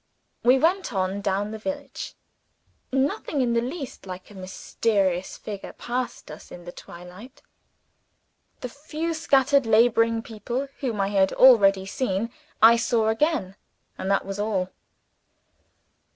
We went on down the village. Nothing in the least like a mysterious figure passed us in the twilight. The few scattered laboring people, whom I had already seen, I saw again and that was all.